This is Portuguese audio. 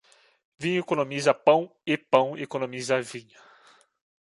Vinho economiza pão e pão economiza vinho.